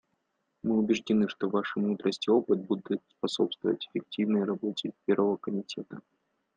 Мы убеждены, что Ваши мудрость и опыт будут способствовать эффективной работе Первого комитета.